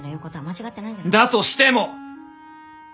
としても！